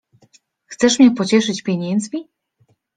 Chcesz mnie pocieszyć pieniędzmi?